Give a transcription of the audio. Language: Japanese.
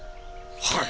はい！